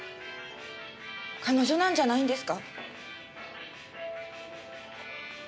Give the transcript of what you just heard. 彼女なんじゃないんですか？